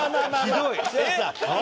ひどい。